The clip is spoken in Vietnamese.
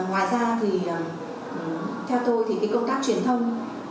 ngoài ra thì theo tôi thì cái công tác truyền thông